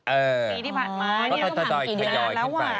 เออปีที่ผ่านมาต้องถามกี่เดือนแล้วอะ